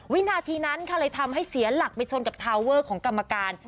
วินาทีนั้นค่ะเลยทำให้เสียหลักไปชนกับทาวเวอร์ของกรรมการ